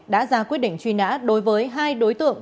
đã ra quyết định truy nã đối với hai đối tượng